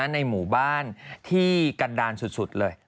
ในหมู่บ้านที่กันดานสุดเลย